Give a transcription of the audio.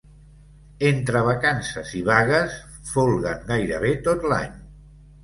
Entre vacances i vagues, folguen gairebé tot l'any.